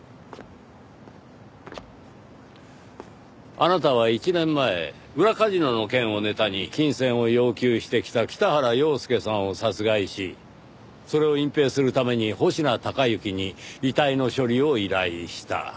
あなたは１年前裏カジノの件をネタに金銭を要求してきた北原陽介さんを殺害しそれを隠蔽するために保科貴之に遺体の処理を依頼した。